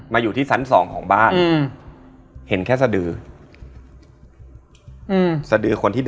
แล้วก็เพื่อน